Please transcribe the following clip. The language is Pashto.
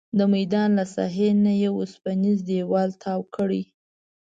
د میدان له ساحې نه یې اوسپنیز دیوال تاو کړی.